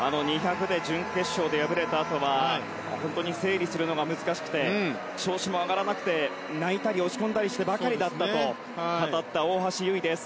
２００で準決勝で敗れたあとは本当に整理するのが難しくて調子も上がらなくて泣いたり落ち込んだりしてばかりだったと語った大橋悠依です。